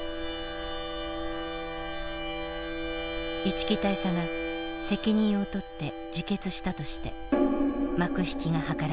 一木大佐が責任を取って自決したとして幕引きが図られた。